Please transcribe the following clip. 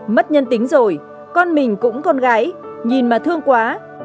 mất nhân tính rồi con mình cũng con gái nhìn mà thương quá